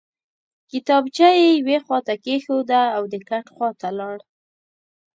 کتابچه یې یوې خواته کېښوده او د کټ خواته لاړ